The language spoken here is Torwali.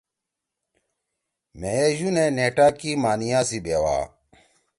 مھیئے یُونے نیٹا کی مانیہ سی بیوا